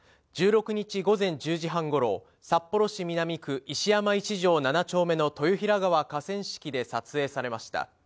１６日午前１０時半ごろ、札幌市南区石山１条７丁目の豊平川河川敷で撮影されました。